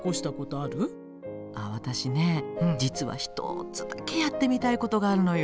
ああ私ね実は１つだけやってみたいことがあるのよ。